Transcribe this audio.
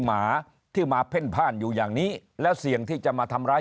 หมาที่มาเพ่นพ่านอยู่อย่างนี้แล้วเสี่ยงที่จะมาทำร้าย